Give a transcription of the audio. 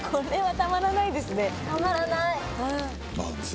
たまらない。